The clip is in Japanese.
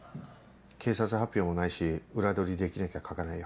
警察発表もないし裏取りできなきゃ書かないよ。